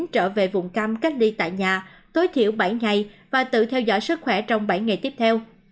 trở về vùng cam cách ly tại nhà tối thiểu bảy ngày và tự theo dõi sức khỏe trong bảy ngày tiếp theo